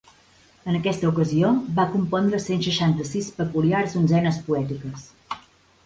En aquesta ocasió va compondre cent seixanta-sis peculiars onzenes poètiques.